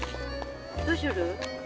どうする？